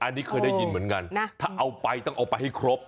อันนี้เคยได้ยินเหมือนกันถ้าเอาไปต้องเอาไปให้ครบ